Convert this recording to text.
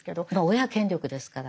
親権力ですから。